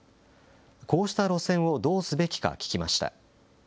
こうした路線をどうすべきか聞きました。